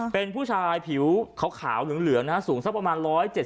เป็นผู้ชายผิวขาวเหลืองนะฮะสูงสักประมาณ๑๗๐